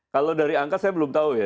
kalau dari angka saya belum tahu ya